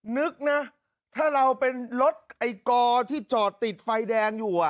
นึกนะถ้าเราเป็นรถไอ้กอที่จอดติดไฟแดงอยู่